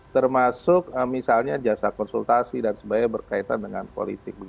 termasuk misalnya jasa konsultasi dan sebagainya berkaitan dengan politik